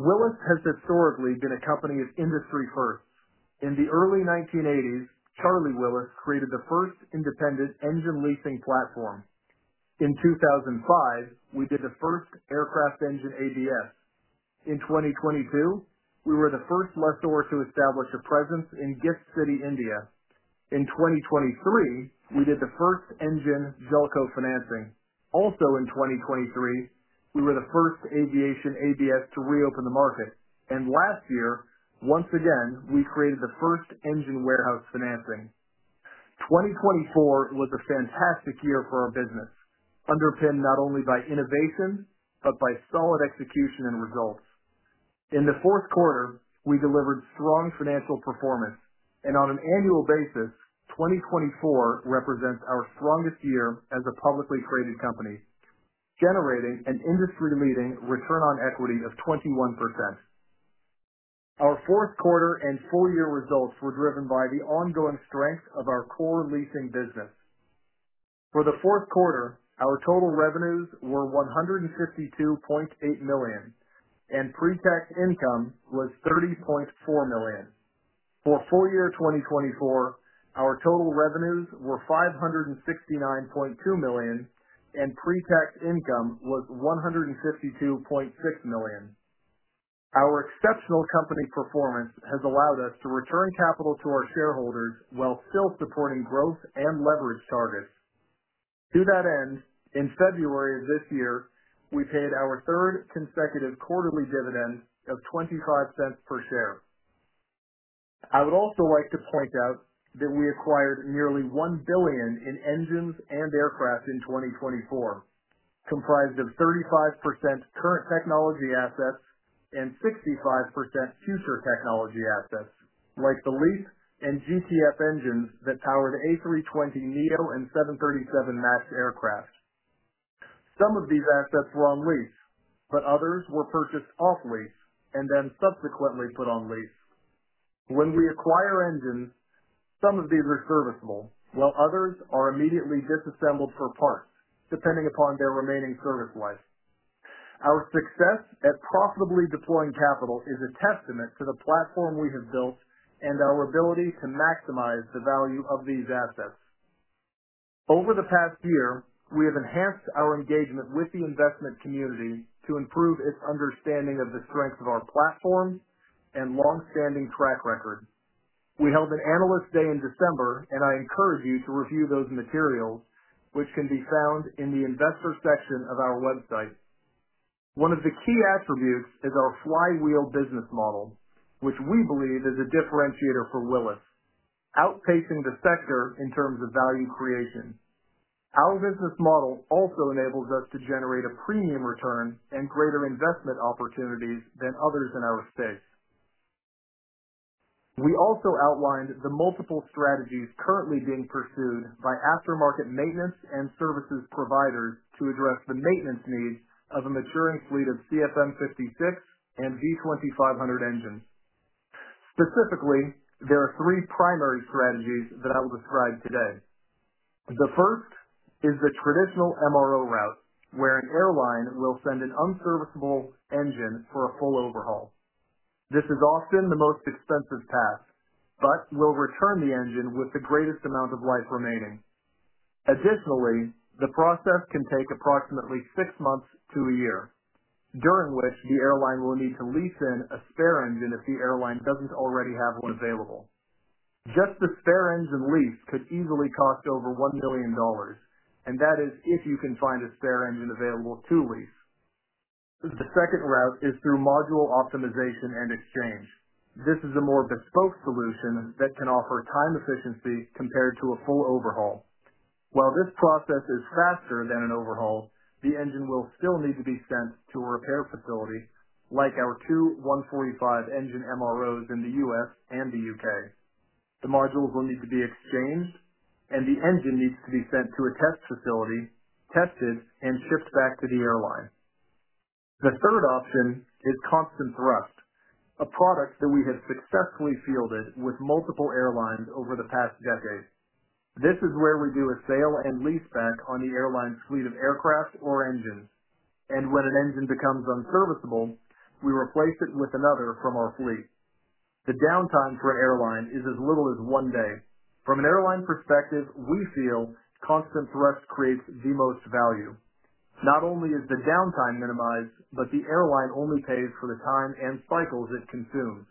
Willis has historically been a company of industry firsts. In the early 1980s, Charlie Willis created the first independent engine leasing platform. In 2005, we did the first aircraft engine ABS. In 2022, we were the first lessor to establish a presence in GIFT City, India. In 2023, we did the first engine JOLCO financing. Also, in 2023, we were the first aviation ABS to reopen the market. Last year, once again, we created the first engine warehouse financing. 2024 was a fantastic year for our business, underpinned not only by innovation but by solid execution and results. In the fourth quarter, we delivered strong financial performance. On an annual basis, 2024 represents our strongest year as a publicly traded company, generating an industry-leading return on equity of 21%. Our fourth quarter and full-year results were driven by the ongoing strength of our core leasing business. For the fourth quarter, our total revenues were $152.8 million, and pre-tax income was $30.4 million. For full-year 2024, our total revenues were $569.2 million, and pre-tax income was $152.6 million. Our exceptional company performance has allowed us to return capital to our shareholders while still supporting growth and leverage targets. To that end, in February of this year, we paid our third consecutive quarterly dividend of $0.25 per share. I would also like to point out that we acquired nearly $1 billion in engines and aircraft in 2024, comprised of 35% current technology assets and 65% future technology assets, like the LEAP and GTF engines that powered A320neo and 737 MAX aircraft. Some of these assets were on lease, but others were purchased off-lease and then subsequently put on lease. When we acquire engines, some of these are serviceable, while others are immediately disassembled for parts, depending upon their remaining service life. Our success at profitably deploying capital is a testament to the platform we have built and our ability to maximize the value of these assets. Over the past year, we have enhanced our engagement with the investment community to improve its understanding of the strength of our platform and long-standing track record. We held an analyst day in December, and I encourage you to review those materials, which can be found in the investor section of our website. One of the key attributes is our flywheel business model, which we believe is a differentiator for Willis, outpacing the sector in terms of value creation. Our business model also enables us to generate a premium return and greater investment opportunities than others in our space. We also outlined the multiple strategies currently being pursued by aftermarket maintenance and services providers to address the maintenance needs of a maturing fleet of CFM56 and V2500 engines. Specifically, there are three primary strategies that I will describe today. The first is the traditional MRO route, where an airline will send an unserviceable engine for a full overhaul. This is often the most expensive path, but will return the engine with the greatest amount of life remaining. Additionally, the process can take approximately six months to a year, during which the airline will need to lease in a spare engine if the airline does not already have one available. Just the spare engine lease could easily cost over $1 million, and that is if you can find a spare engine available to lease. The second route is through module optimization and exchange. This is a more bespoke solution that can offer time efficiency compared to a full overhaul. While this process is faster than an overhaul, the engine will still need to be sent to a repair facility, like our two 145 engine MROs in the U.S. and the U.K. The modules will need to be exchanged, and the engine needs to be sent to a test facility, tested, and shipped back to the airline. The third option is ConstantThrust, a product that we have successfully fielded with multiple airlines over the past decade. This is where we do a sale and lease back on the airline's fleet of aircraft or engines. When an engine becomes unserviceable, we replace it with another from our fleet. The downtime for an airline is as little as one day. From an airline perspective, we feel ConstantThrust creates the most value. Not only is the downtime minimized, but the airline only pays for the time and cycles it consumes.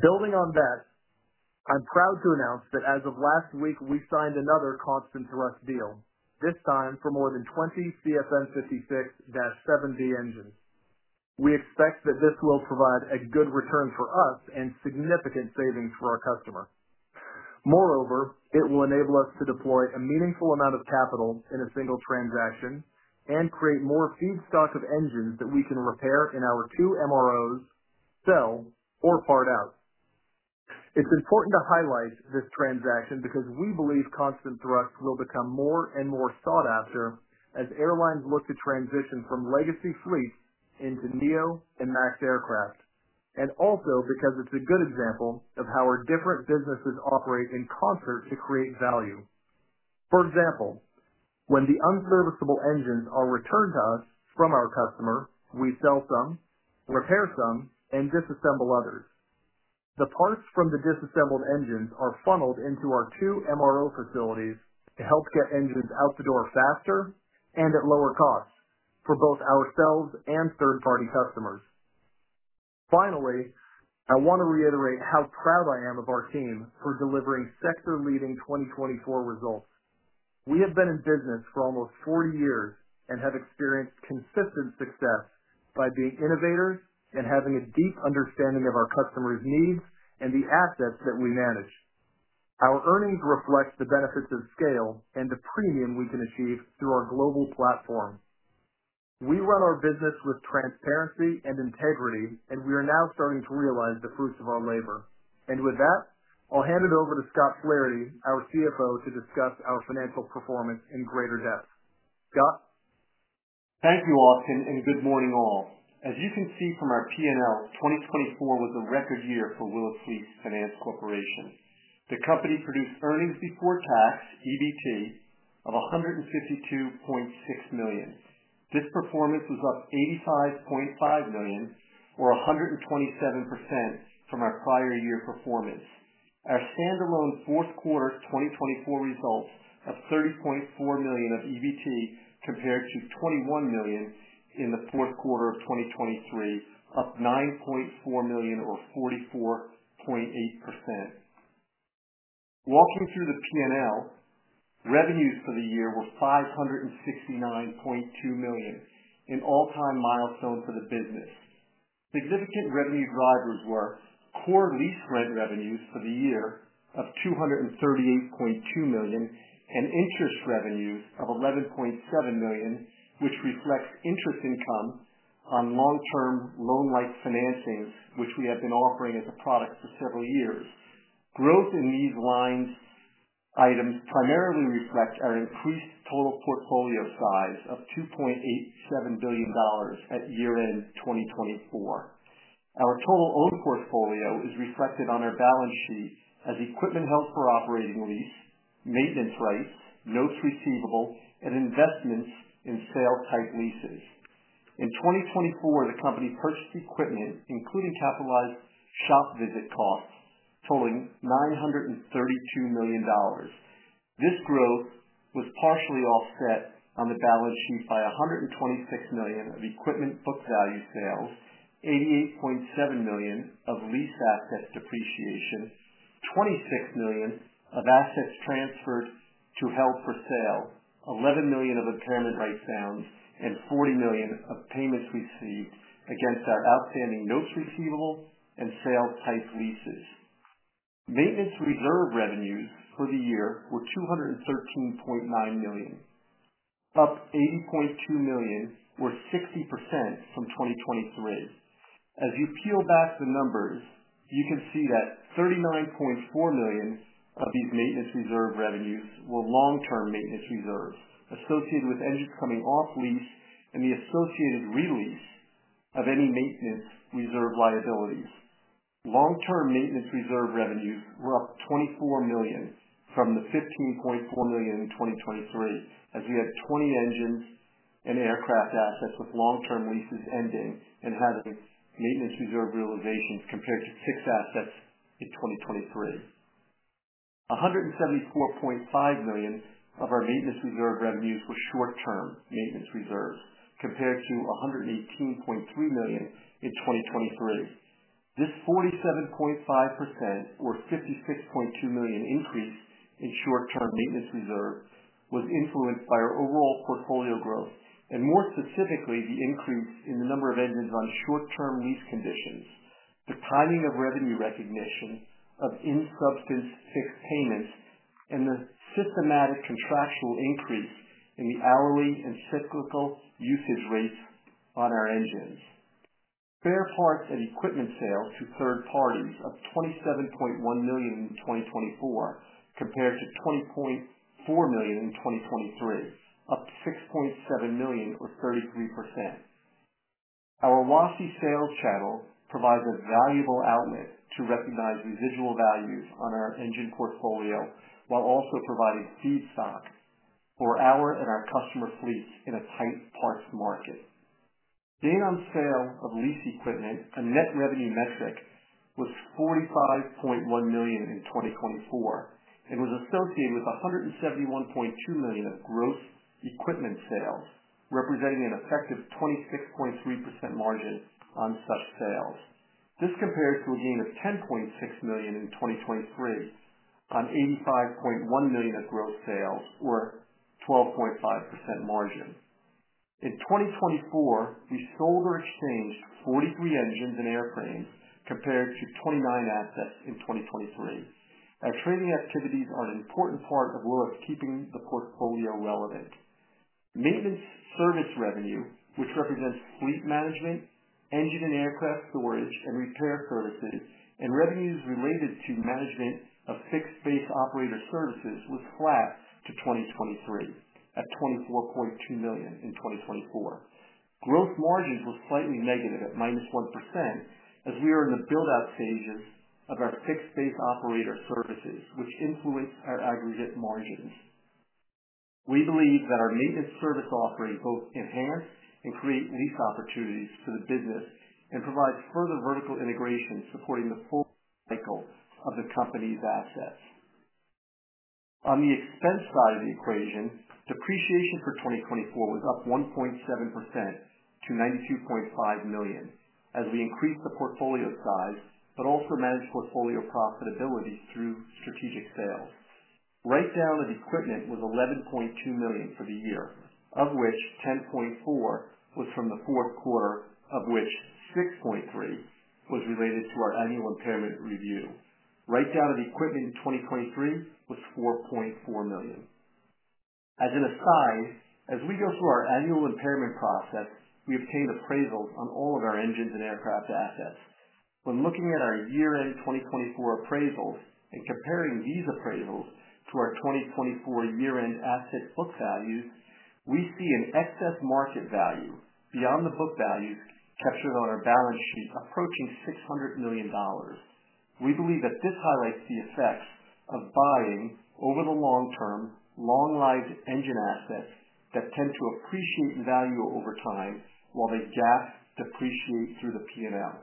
Building on that, I'm proud to announce that as of last week, we signed another ConstantThrust deal, this time for more than 20 CFM56-7B engines. We expect that this will provide a good return for us and significant savings for our customer. Moreover, it will enable us to deploy a meaningful amount of capital in a single transaction and create more feedstock of engines that we can repair in our two MROs, sell, or part out. It's important to highlight this transaction because we believe ConstantThrust will become more and more sought after as airlines look to transition from legacy fleets into Neo and MAX aircraft, and also because it's a good example of how our different businesses operate in concert to create value. For example, when the unserviceable engines are returned to us from our customer, we sell some, repair some, and disassemble others. The parts from the disassembled engines are funneled into our two MRO facilities to help get engines out the door faster and at lower cost for both ourselves and third-party customers. Finally, I want to reiterate how proud I am of our team for delivering sector-leading 2024 results. We have been in business for almost 40 years and have experienced consistent success by being innovators and having a deep understanding of our customers' needs and the assets that we manage. Our earnings reflect the benefits of scale and the premium we can achieve through our global platform. We run our business with transparency and integrity, and we are now starting to realize the fruits of our labor. With that, I'll hand it over to Scott Flaherty, our CFO, to discuss our financial performance in greater depth. Scott? Thank you, Austin, and good morning all. As you can see from our P&L, 2024 was a record year for Willis Lease Finance Corporation. The company produced earnings before tax, EBT, of $152.6 million. This performance was up $85.5 million, or 127% from our prior year performance. Our standalone fourth quarter 2024 results of $30.4 million of EBT compared to $21 million in the fourth quarter of 2023, up $9.4 million, or 44.8%. Walking through the P&L, revenues for the year were $569.2 million, an all-time milestone for the business. Significant revenue drivers were core lease rent revenues for the year of $238.2 million and interest revenues of $11.7 million, which reflects interest income on long-term loan-like financings, which we have been offering as a product for several years. Growth in these line items primarily reflects our increased total portfolio size of $2.87 billion at year-end 2024. Our total owned portfolio is reflected on our balance sheet as equipment held for operating lease, maintenance rights, notes receivable, and investments in sale-type leases. In 2024, the company purchased equipment, including capitalized shop visit costs, totaling $932 million. This growth was partially offset on the balance sheet by $126 million of equipment book value sales, $88.7 million of lease assets depreciation, $26 million of assets transferred to held for sale, $11 million of impairment rights found, and $40 million of payments received against our outstanding notes receivable and sale-type leases. Maintenance reserve revenues for the year were $213.9 million, up $80.2 million, or 60% from 2023. As you peel back the numbers, you can see that $39.4 million of these maintenance reserve revenues were long-term maintenance reserves associated with engines coming off-lease and the associated release of any maintenance reserve liabilities. Long-term maintenance reserve revenues were up $24 million from the $15.4 million in 2023, as we had 20 engines and aircraft assets with long-term leases ending and having maintenance reserve realizations compared to fixed assets in 2023. $174.5 million of our maintenance reserve revenues were short-term maintenance reserves compared to $118.3 million in 2023. This 47.5% or $56.2 million increase in short-term maintenance reserve was influenced by our overall portfolio growth, and more specifically, the increase in the number of engines on short-term lease conditions, the timing of revenue recognition of in-substance fixed payments, and the systematic contractual increase in the hourly and cyclical usage rates on our engines. Spare parts and equipment sales to third parties up $27.1 million in 2024 compared to $20.4 million in 2023, up $6.7 million, or 33%. Our WASI sales channel provides a valuable outlet to recognize residual values on our engine portfolio while also providing feedstock for our and our customer fleets in a tight parts market. Gain on sale of lease equipment, a net revenue metric, was $45.1 million in 2024 and was associated with $171.2 million of gross equipment sales, representing an effective 26.3% margin on such sales. This compares to a gain of $10.6 million in 2023 on $85.1 million of gross sales, or 12.5% margin. In 2024, we sold or exchanged 43 engines and airframes compared to 29 assets in 2023. Our trading activities are an important part of Willis keeping the portfolio relevant. Maintenance service revenue, which represents fleet management, engine and aircraft storage and repair services, and revenues related to management of fixed-base operator services, was flat to 2023 at $24.2 million in 2024. Gross margins were slightly negative at -1% as we are in the build-out stages of our fixed-base operator services, which influenced our aggregate margins. We believe that our maintenance service offering both enhance and create lease opportunities for the business and provide further vertical integration supporting the full cycle of the company's assets. On the expense side of the equation, depreciation for 2024 was up 1.7% to $92.5 million as we increased the portfolio size, but also managed portfolio profitability through strategic sales. Write-down of equipment was $11.2 million for the year, of which $10.4 million was from the fourth quarter, of which $6.3 million was related to our annual impairment review. Write-down of equipment in 2023 was $4.4 million. As an aside, as we go through our annual impairment process, we obtained appraisals on all of our engines and aircraft assets. When looking at our year-end 2024 appraisals and comparing these appraisals to our 2024 year-end asset book values, we see an excess market value beyond the book values captured on our balance sheet approaching $600 million. We believe that this highlights the effects of buying over the long-term, long-lived engine assets that tend to appreciate in value over time while they GAAP depreciate through the P&L.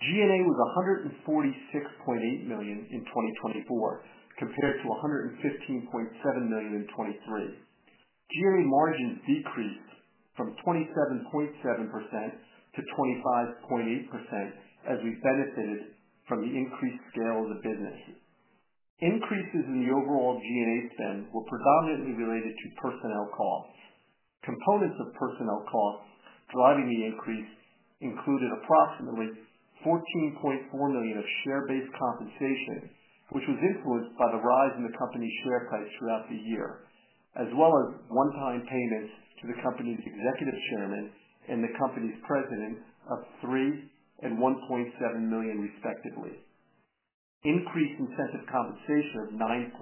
G&A was $146.8 million in 2024 compared to $115.7 million in 2023. G&A margins decreased from 27.7%-25.8% as we benefited from the increased scale of the business. Increases in the overall G&A spend were predominantly related to personnel costs. Components of personnel costs driving the increase included approximately $14.4 million of share-based compensation, which was influenced by the rise in the company's share price throughout the year, as well as one-time payments to the company's Executive Chairman and the company's President of $3 million and $1.7 million, respectively. Increased incentive compensation of $9.2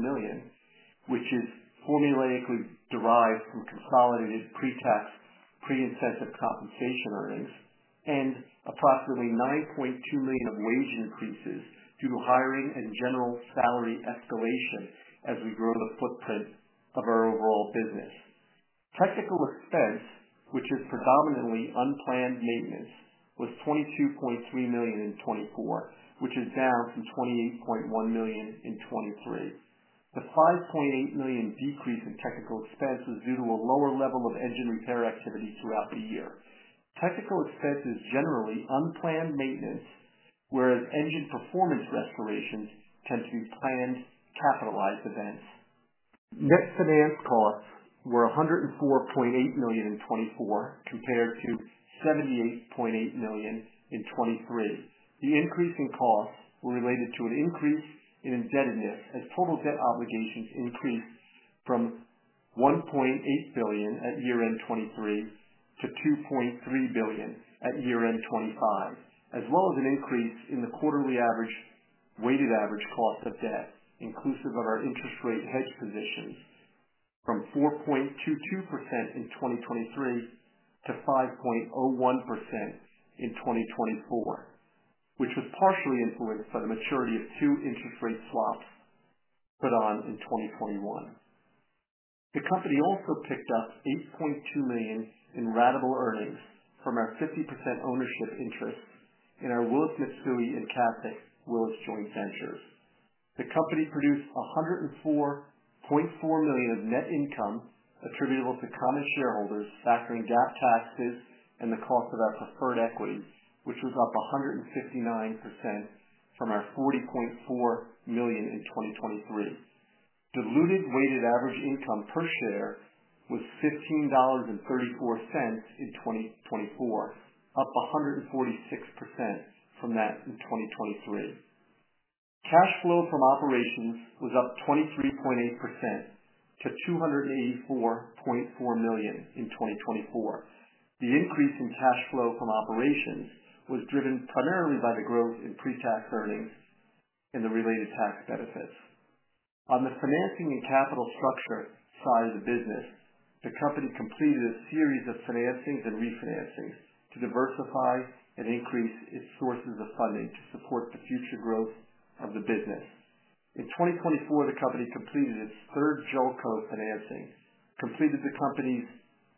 million, which is formulaically derived from consolidated pre-tax, pre-incentive compensation earnings, and approximately $9.2 million of wage increases due to hiring and general salary escalation as we grow the footprint of our overall business. Technical expense, which is predominantly unplanned maintenance, was $22.3 million in 2024, which is down from $28.1 million in 2023. The $5.8 million decrease in technical expense was due to a lower level of engine repair activity throughout the year. Technical expense is generally unplanned maintenance, whereas engine performance restorations tend to be planned, capitalized events. Net finance costs were $104.8 million in 2024 compared to $78.8 million in 2023. The increase in costs was related to an increase in indebtedness as total debt obligations increased from $1.8 billion at year-end 2023 to $2.3 billion at year-end 2025, as well as an increase in the quarterly average weighted average cost of debt, inclusive of our interest rate hedge positions, from 4.22% in 2023 to 5.01% in 2024, which was partially influenced by the maturity of two interest rate swaps put on in 2021. The company also picked up $8.2 million in ratable earnings from our 50% ownership interest in our Willis Mitsui and Co. Willis Joint Ventures. The company produced $104.4 million of net income attributable to common shareholders factoring GAAP taxes and the cost of our preferred equities, which was up 159% from our $40.4 million in 2023. Diluted weighted average income per share was $15.34 in 2024, up 146% from that in 2023. Cash flow from operations was up 23.8%-$284.4 million in 2024. The increase in cash flow from operations was driven primarily by the growth in pre-tax earnings and the related tax benefits. On the financing and capital structure side of the business, the company completed a series of financings and refinancings to diversify and increase its sources of funding to support the future growth of the business. In 2024, the company completed its third JOLCO financing, completed the company's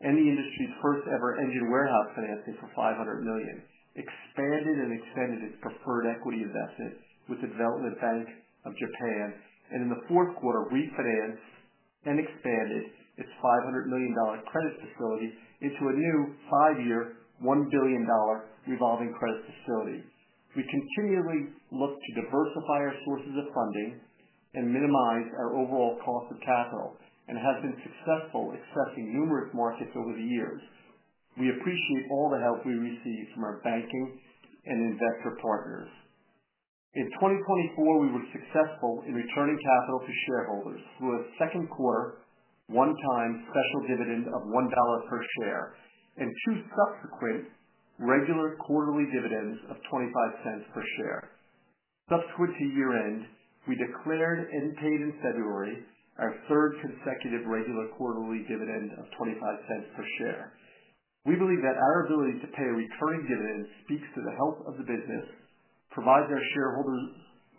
and the industry's first-ever engine warehouse financing for $500 million, expanded and extended its preferred equity investment with the Development Bank of Japan, and in the fourth quarter refinanced and expanded its $500 million credit facility into a new five-year, $1 billion revolving credit facility. We continually look to diversify our sources of funding and minimize our overall cost of capital and have been successful accessing numerous markets over the years. We appreciate all the help we receive from our banking and investor partners. In 2024, we were successful in returning capital to shareholders through a second quarter one-time special dividend of $1 per share and two subsequent regular quarterly dividends of $0.25 per share. Subsequent to year-end, we declared and paid in February our third consecutive regular quarterly dividend of $0.25 per share. We believe that our ability to pay a recurring dividend speaks to the health of the business, provides our shareholders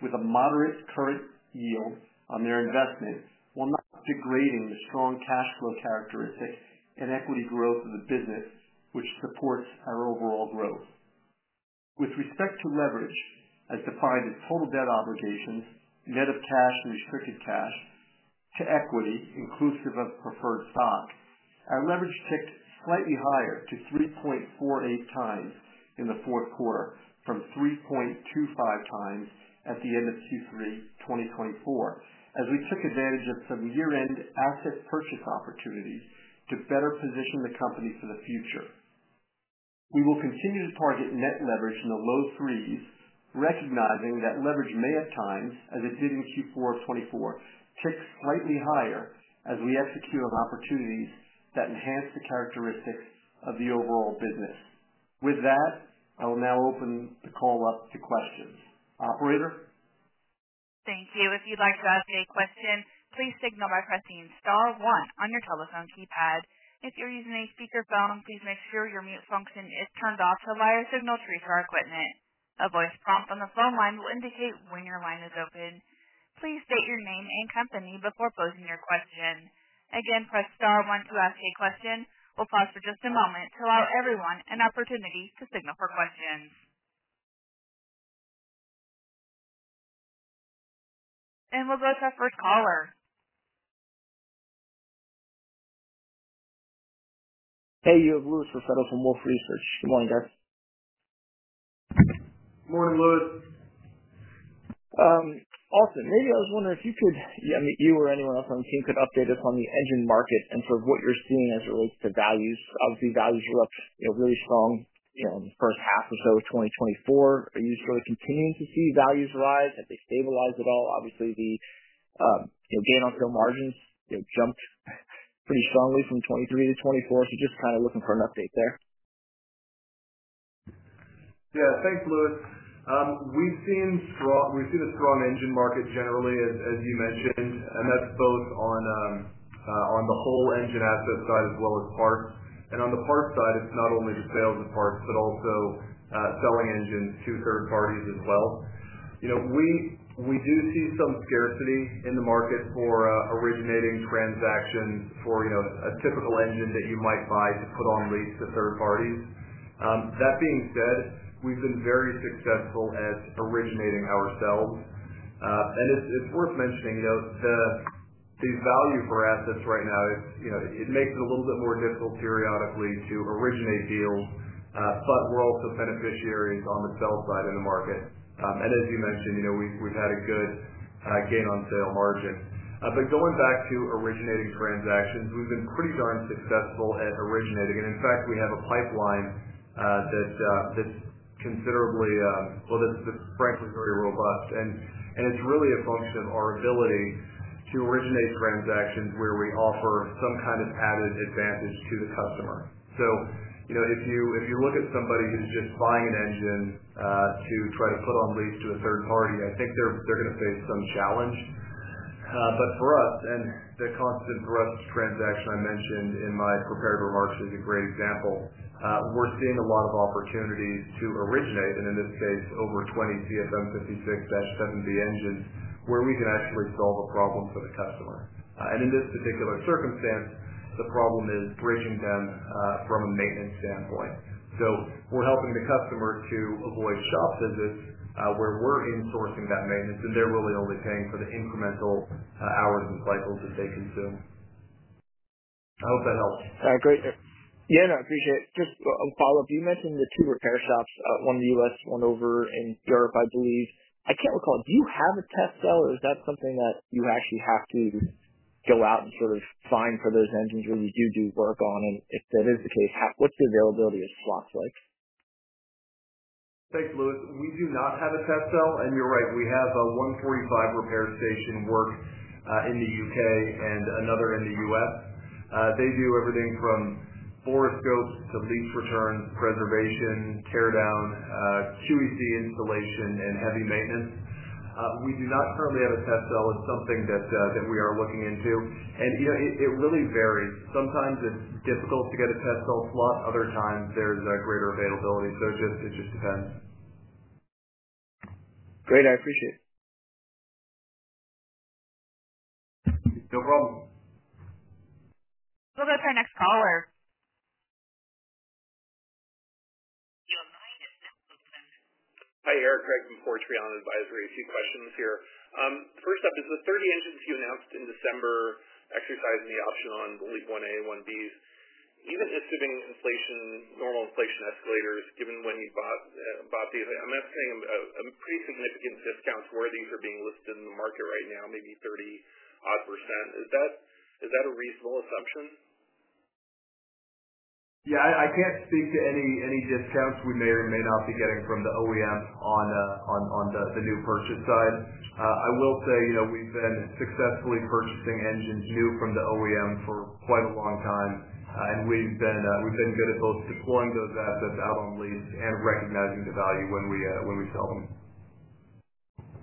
with a moderate current yield on their investment, while not degrading the strong cash flow characteristic and equity growth of the business, which supports our overall growth. With respect to leverage, as defined as total debt obligations, net of cash and restricted cash, to equity, inclusive of preferred stock, our leverage ticked slightly higher to 3.48 times in the fourth quarter from 3.25 times at the end of Q3 2024, as we took advantage of some year-end asset purchase opportunities to better position the company for the future. We will continue to target net leverage in the low threes, recognizing that leverage may at times, as it did in Q4 of 2024, tick slightly higher as we execute on opportunities that enhance the characteristics of the overall business. With that, I will now open the call up to questions. Operator? Thank you. If you'd like to ask a question, please signal by pressing star one on your telephone keypad. If you're using a speakerphone, please make sure your mute function is turned off to allow your signal to reach our equipment. A voice prompt on the phone line will indicate when your line is open. Please state your name and company before posing your question. Again, press star one to ask a question. We'll pause for just a moment to allow everyone an opportunity to signal for questions. We'll go to our first caller. Hey, you have [Willis] from Wolfe Research. Good morning, guys. Good morning, Willis. Austin, maybe I was wondering if you could, yeah, you or anyone else on the team could update us on the engine market and sort of what you're seeing as it relates to values. Obviously, values were up really strong in the first half or so of 2024. Are you sort of continuing to see values rise? Have they stabilized at all? Obviously, the gain on sale margins jumped pretty strongly from 2023 to 2024. Just kind of looking for an update there. Yeah, thanks, Willis. We've seen a strong engine market generally, as you mentioned, and that's both on the whole engine asset side as well as parts. On the parts side, it's not only the sales of parts, but also selling engines to third parties as well. We do see some scarcity in the market for originating transactions for a typical engine that you might buy to put on lease to third parties. That being said, we've been very successful at originating ourselves. It's worth mentioning the value for assets right now, it makes it a little bit more difficult periodically to originate deals, but we're also beneficiaries on the sell side in the market. As you mentioned, we've had a good gain on sale margin. Going back to originating transactions, we've been pretty darn successful at originating. In fact, we have a pipeline that's considerably, that's frankly very robust. It's really a function of our ability to originate transactions where we offer some kind of added advantage to the customer. If you look at somebody who's just buying an engine to try to put on lease to a third party, I think they're going to face some challenge. For us, and the Constant Thrust transaction I mentioned in my prepared remarks is a great example. We're seeing a lot of opportunities to originate, and in this case, over 20 CFM56-7B engines where we can actually solve a problem for the customer. In this particular circumstance, the problem is bridging them from a maintenance standpoint. We're helping the customer to avoid shop visits where we're insourcing that maintenance, and they're really only paying for the incremental hours and cycles that they consume. I hope that helps. All right. Great. Yeah, no, I appreciate it. Just a follow-up. You mentioned the two repair shops, one in the U.S., one over in Europe, I believe. I can't recall. Do you have a test sale or is that something that you actually have to go out and sort of find for those engines where you do do work on? And if that is the case, what's the availability of slots like? Thanks, Willis. We do not have a test cell. You're right, we have a 145 repair station work in the U.K. and another in the U.S. They do everything from borescopes to lease returns, preservation, tear down, QEC installation, and heavy maintenance. We do not currently have a test cell. It's something that we are looking into. It really varies. Sometimes it's difficult to get a test cell slot. Other times, there's greater availability. It just depends. Great. I appreciate it. No problem. We'll go to our next caller. Hi, Eric Gregg from Four Tree On Advisory. A few questions here. First up is the 30 engines you announced in December exercising the option on the LEAP-1A, 1Bs. Even assuming normal inflation escalators, given when you bought these, I'm estimating a pretty significant discount to where these are being listed in the market right now, maybe 30-odd %. Is that a reasonable assumption? Yeah, I can't speak to any discounts we may or may not be getting from the OEM on the new purchase side. I will say we've been successfully purchasing engines new from the OEM for quite a long time, and we've been good at both deploying those assets out on lease and recognizing the value when we sell them.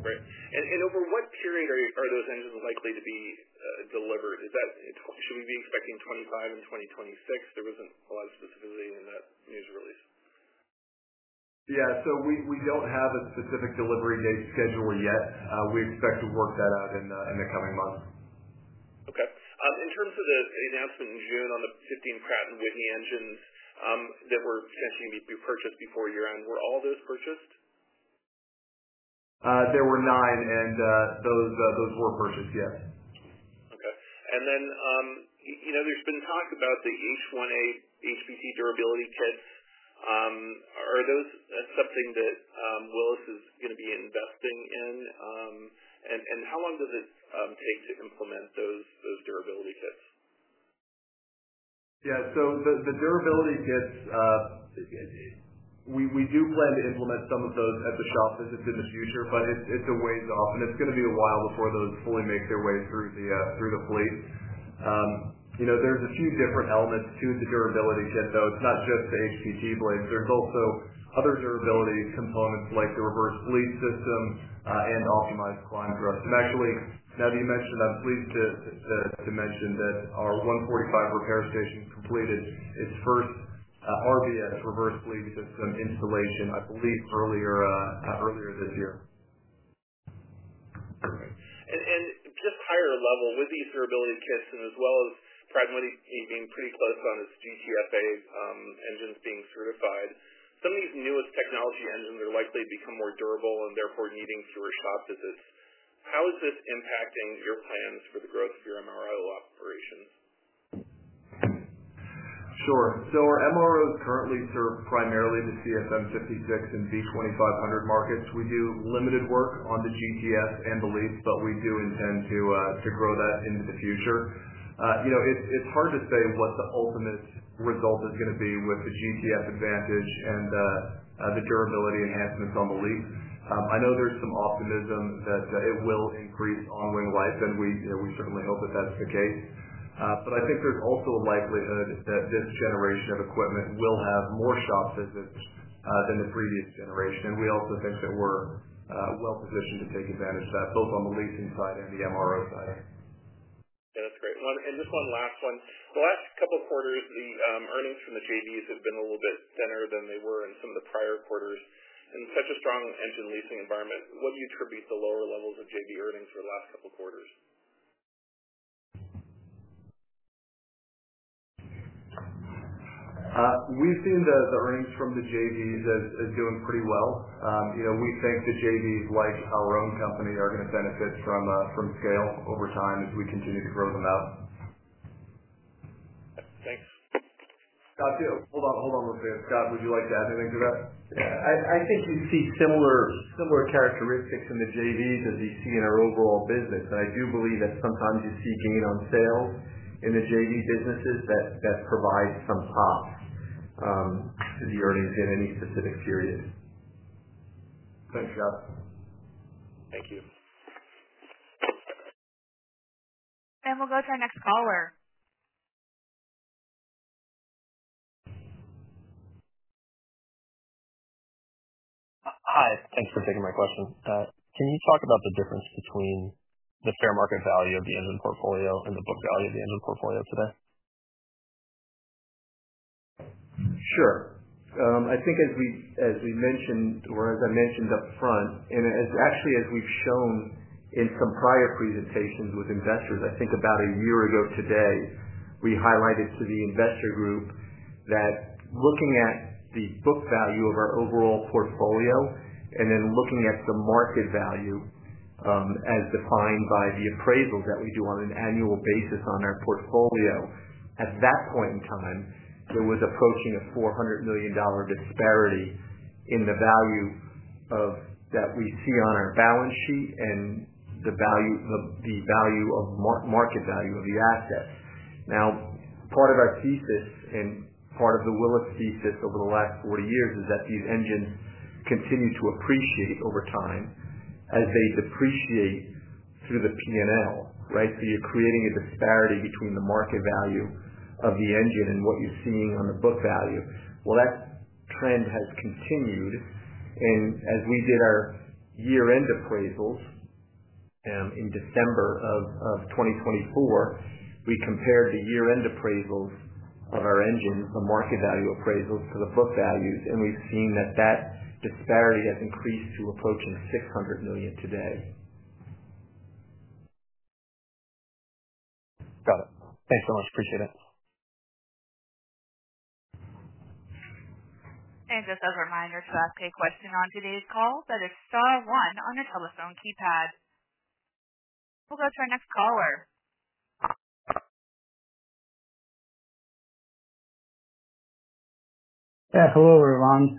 Great. Over what period are those engines likely to be delivered? Should we be expecting 2025 and 2026? There was not a lot of specificity in that news release. Yeah. We don't have a specific delivery date schedule yet. We expect to work that out in the coming months. Okay. In terms of the announcement in June on the 15 Pratt & Whitney engines that were essentially going to be purchased before year-end, were all of those purchased? There were nine, and those were purchased, yes. Okay. There has been talk about the H1A HPT durability kits. Are those something that Willis is going to be investing in? How long does it take to implement those durability kits? Yeah. The durability kits, we do plan to implement some of those at the shop visits in the future, but it's a ways off, and it's going to be a while before those fully make their way through the fleet. There's a few different elements to the durability kit, though. It's not just the HPT blades. There's also other durability components like the reverse bleed system and optimized climb thrust. Actually, now that you mentioned that, please mention that our 145 repair station completed its first RBS reverse bleed system installation, I believe, earlier this year. Perfect. Just higher level, with these durability kits and as well as Pratt & Whitney being pretty close on its GTF engines being certified, some of these newest technology engines are likely to become more durable and therefore needing fewer shop visits. How is this impacting your plans for the growth of your MRO operations? Sure. Our MROs currently serve primarily the CFM56 and V2500 markets. We do limited work on the GTF and the LEAP, but we do intend to grow that into the future. It's hard to say what the ultimate result is going to be with the GTF advantage and the durability enhancements on the LEAP. I know there's some optimism that it will increase ongoing life, and we certainly hope that that's the case. I think there's also a likelihood that this generation of equipment will have more shop visits than the previous generation. We also think that we're well positioned to take advantage of that, both on the leasing side and the MRO side. Yeah, that's great. Just one last one. The last couple of quarters, the earnings from the JVs have been a little bit thinner than they were in some of the prior quarters. In such a strong engine leasing environment, what do you attribute the lower levels of JV earnings for the last couple of quarters? We've seen the earnings from the JVs as doing pretty well. We think the JVs, like our own company, are going to benefit from scale over time as we continue to grow them out. Thanks. Hold on one second. Scott, would you like to add anything to that? Yeah. I think you see similar characteristics in the JVs as you see in our overall business. I do believe that sometimes you see gain on sales in the JV businesses that provide some pop to the earnings in any specific period. Thanks, Scott. Thank you. We will go to our next caller. Hi. Thanks for taking my question. Can you talk about the difference between the fair market value of the engine portfolio and the book value of the engine portfolio today? Sure. I think as we mentioned, or as I mentioned upfront, and actually as we've shown in some prior presentations with investors, I think about a year ago today, we highlighted to the investor group that looking at the book value of our overall portfolio and then looking at the market value as defined by the appraisals that we do on an annual basis on our portfolio, at that point in time, it was approaching a $400 million disparity in the value that we see on our balance sheet and the value of market value of the assets. Now, part of our thesis and part of the Willis thesis over the last 40 years is that these engines continue to appreciate over time as they depreciate through the P&L, right? You are creating a disparity between the market value of the engine and what you're seeing on the book value. That trend has continued. As we did our year-end appraisals in December of 2024, we compared the year-end appraisals of our engines, the market value appraisals to the book values, and we've seen that that disparity has increased to approaching $600 million today. Got it. Thanks so much. Appreciate it. Just as a reminder to ask a question on today's call, that is star one on your telephone keypad. We'll go to our next caller. Yeah. Hello, everyone.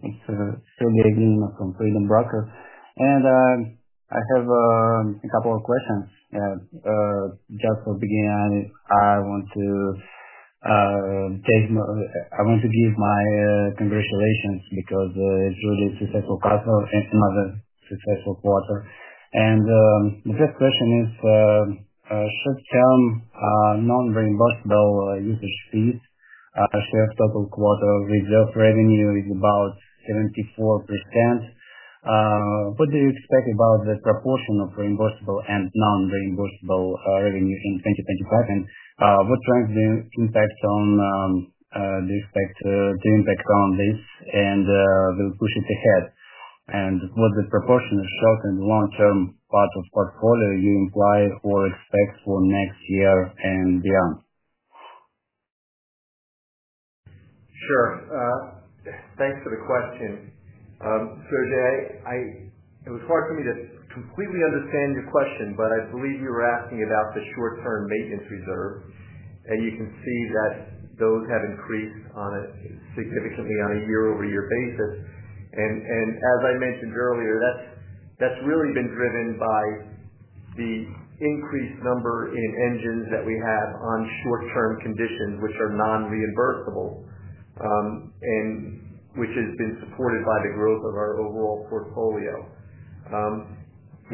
It's still Sergei from Freedom Brokers. I have a couple of questions. Just to begin, I want to give my congratulations because it's really a successful quarter and another successful quarter. The first question is, should some non-reimbursable usage fees share total quarter? With the revenue, it's about 74%. What do you expect about the proportion of reimbursable and non-reimbursable revenue in 2025? What trends do you expect to impact on this and will push it ahead? What's the proportion of short and long-term part of portfolio you imply or expect for next year and beyond? Sure. Thanks for the question. Sergei, it was hard for me to completely understand your question, but I believe you were asking about the short-term maintenance reserve. You can see that those have increased significantly on a year-over-year basis. As I mentioned earlier, that's really been driven by the increased number in engines that we have on short-term conditions, which are non-reimbursable, and which has been supported by the growth of our overall portfolio.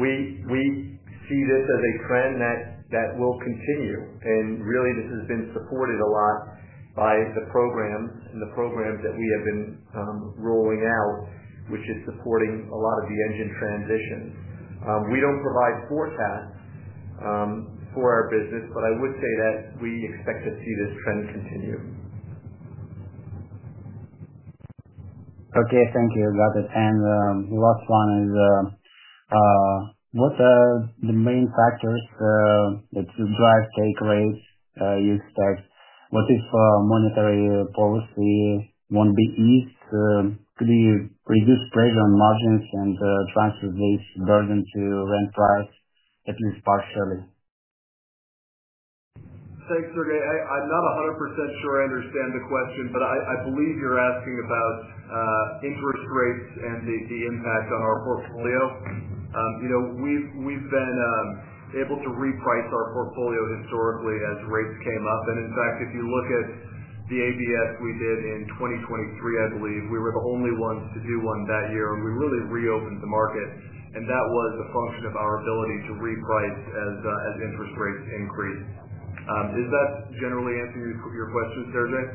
We see this as a trend that will continue. This has been supported a lot by the programs and the programs that we have been rolling out, which is supporting a lot of the engine transitions. We do not provide forecasts for our business, but I would say that we expect to see this trend continue. Okay. Thank you. Got it. Last one is, what are the main factors that drive take rates you expect? What if monetary policy won't be eased? Could you reduce pressure on margins and transfer this burden to rent price, at least partially? I'm not 100% sure I understand the question, but I believe you're asking about interest rates and the impact on our portfolio. We've been able to reprice our portfolio historically as rates came up. In fact, if you look at the ABS we did in 2023, I believe we were the only ones to do one that year, and we really reopened the market. That was a function of our ability to reprice as interest rates increased. Is that generally answering your question, Sergei?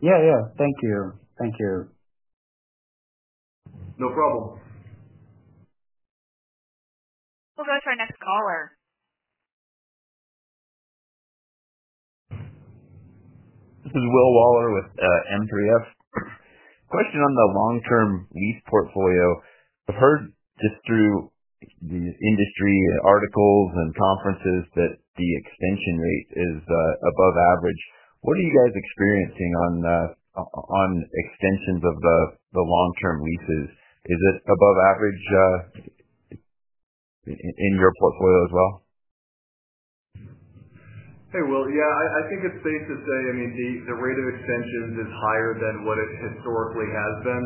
Yeah, yeah. Thank you. Thank you. No problem. We'll go to our next caller. This is Will Waller with M3F. Question on the long-term lease portfolio. I've heard just through the industry articles and conferences that the extension rate is above average. What are you guys experiencing on extensions of the long-term leases? Is it above average in your portfolio as well? Yeah, I think it's safe to say, I mean, the rate of extensions is higher than what it historically has been.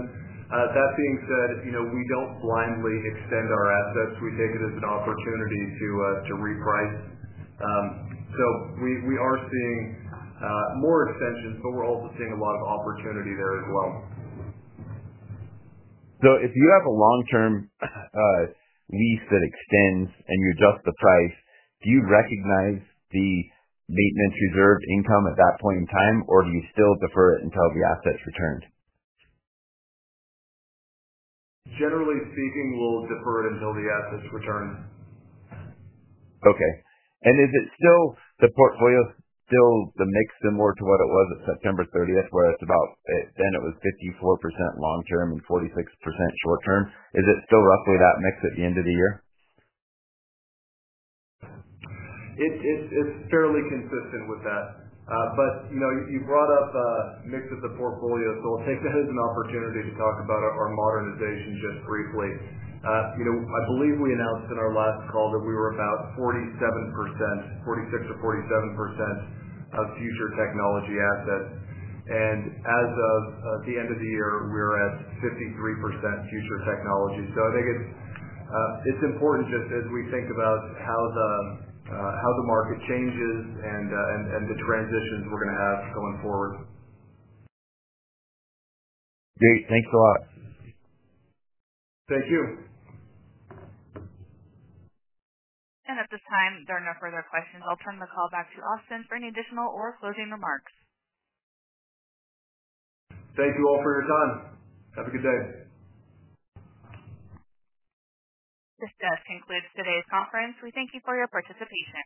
That being said, we don't blindly extend our assets. We take it as an opportunity to reprice. We are seeing more extensions, but we're also seeing a lot of opportunity there as well. If you have a long-term lease that extends and you adjust the price, do you recognize the maintenance reserve income at that point in time, or do you still defer it until the assets return? Generally speaking, we'll defer it until the assets return. Okay. Is the portfolio still the mix similar to what it was at September 30, where then it was 54% long-term and 46% short-term? Is it still roughly that mix at the end of the year? It's fairly consistent with that. You brought up a mix of the portfolio, so I'll take that as an opportunity to talk about our modernization just briefly. I believe we announced in our last call that we were about 47%, 46% or 47% of future technology assets. As of the end of the year, we're at 53% future technology. I think it's important just as we think about how the market changes and the transitions we're going to have going forward. Great. Thanks a lot. Thank you. At this time, there are no further questions. I'll turn the call back to Austin for any additional or closing remarks. Thank you all for your time. Have a good day. This does conclude today's conference. We thank you for your participation.